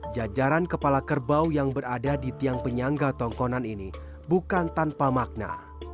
jajaran kepala kerbau yang berada di tiang penyangga tongkonan ini bukan tanpa makna